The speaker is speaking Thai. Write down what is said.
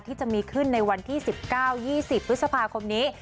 ที่จะมีขึ้นในวันที่๑๙๒๐พฤษภาคมนี้